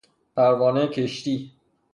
پروانه کشتی